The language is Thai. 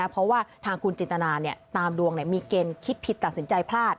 เพราะว่าทางคุณจินตนาตามดวงมีเกณฑ์คิดผิดตัดสินใจพลาด